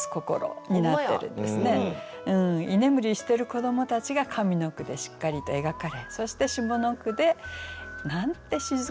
居眠りしてる子どもたちが上の句でしっかりと描かれそして下の句で「なんて静かな海なんだろう」。